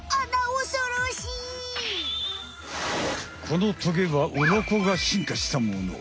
このトゲはウロコが進化したもの。